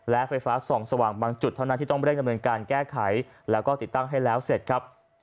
และไฟฟ้าส่องสว่างบางจุดเท่านั้นที่ต้องเร่งดำเนินการแก้ไขแล้วก็ติดตั้งให้แล้วเสร็จครับ